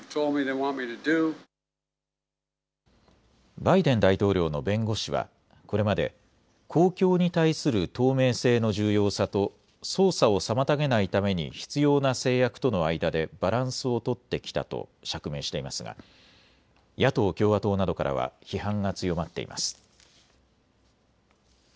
バイデン大統領の弁護士はこれまで公共に対する透明性の重要さと捜査を妨げないために必要な制約との間でバランスを取ってきたと釈明していますが野党・共和党などからは批判が強まっています。